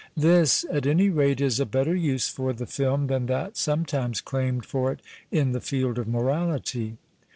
This, at any rate, is a better use for the film than that sometimes claimed for it in the field of morality.